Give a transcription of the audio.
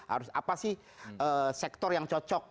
harus apa sih sektor yang cocok